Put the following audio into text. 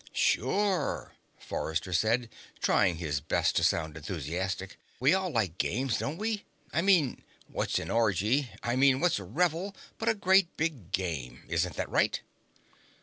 "Sure," Forrester said, trying his best to sound enthusiastic. "We all like games, don't we? I mean, what's an orgy I mean, what's a revel but a great big game? Isn't that right?"